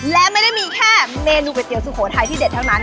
และไม่ได้มีแค่เมนูก๋วยเตี๋สุโขทัยที่เด็ดเท่านั้น